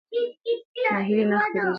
ناهیلي نه خپرېږي.